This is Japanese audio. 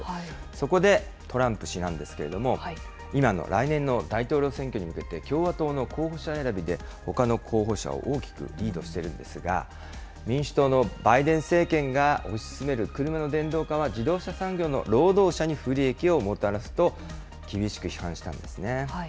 そこでトランプ氏なんですけれども、今の来年の大統領選挙に向けて、共和党の候補者選びでほかの候補者を大きくリードしているんですが、民主党のバイデン政権が推し進める車の電動化は自動車産業の労働者に不利益をもたらすと厳しく批判したんですね。